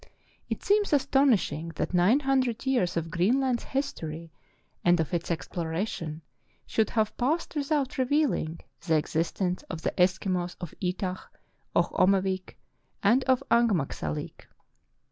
It seems astonishing that nine hundred years of Green land's history and of its exploration should have passed without revealing the existence of the Eskimos of Etah, of Omevik, and of Angmagsalik.